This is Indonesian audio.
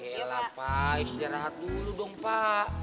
biar lah pak istirahat dulu dong pak